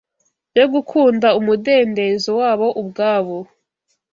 yo gukunda umudendezo wabo ubwabo